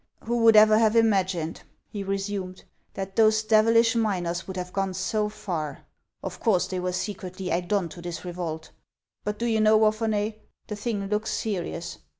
"Who would ever have imagined," he resumed, "that those devilish miners would have gone so far ? Of course they were secretly egged on to this revolt ; but do you know, Wapherney, the thing looks serious